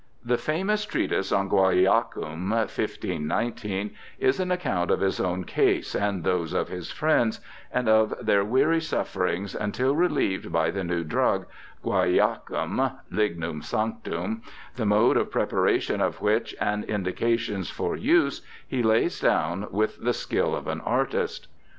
The famous treatise on Guaiacum (1519) is an account of his own case and those of his friends, FRACASTORIUS 287 and of their weary sufferings until relieved by the new drug, guaiacum {lignum smtctum), the mode of prepara tion of which and the indications for use he lays down with the skill of an artist.